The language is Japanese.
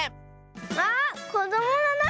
あっこどものな